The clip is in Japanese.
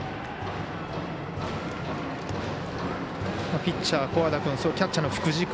ピッチャー、古和田君キャッチャーの福地君